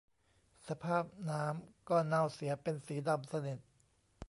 สภาพน้ำก็เน่าเสียเป็นสีดำสนิท